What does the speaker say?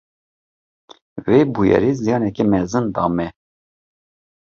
Wê bûyerê ziyaneke mezin da me.